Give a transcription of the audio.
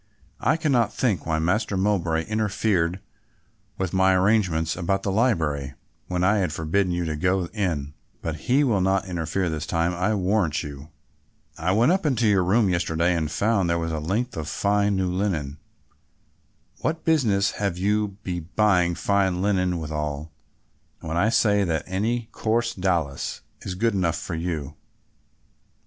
I cannot think why Master Mowbray interfered with my arrangements about the library, when I had forbidden you to go in, but he will not interfere this time I'll warrant you. "I went up into your room yesterday and found there a length of fine new linen. What business have you to be buying fine linen withal, when I say that any coarse dowlas is good enough for you?